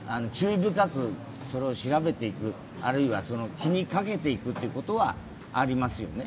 深くそれを調べていくあるいは気にかけていくということはありますよね。